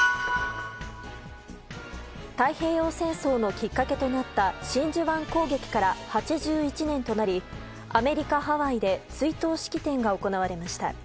太平洋戦争のきっかけとなった真珠湾攻撃から８１年となりアメリカ・ハワイで追悼式典が行われました。